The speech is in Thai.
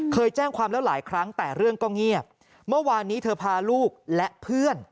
เคยแจ้งความแล้วหลายครั้งแต่เรื่องก็เงียบเมื่อวานนี้เธอพาลูกและเพื่อน